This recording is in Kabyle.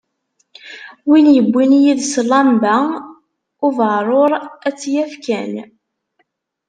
Win yewwin yid-s llamba ubeεṛur ad tt-yaf kan.